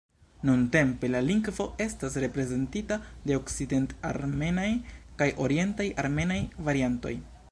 Nuntempe, la lingvo estas reprezentita de okcident-armenaj kaj orientaj armenaj variantoj.